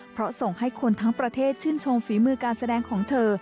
เพราะส่งให้คนทั้งประเทศชื่นชมฝีมือการแสดงของเธอ